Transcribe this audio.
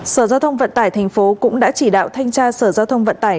sở giao thông vận tải tp cũng đã chỉ đạo thanh tra sở giao thông vận tải